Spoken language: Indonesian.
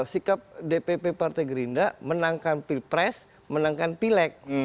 sikap dpp partai gerindra menangkan pilpres menangkan pileg